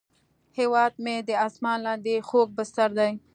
هیواد مې د اسمان لاندې خوږ بستر دی